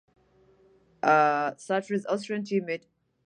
Surtees' Austrian team mate Jochen Rindt finished third.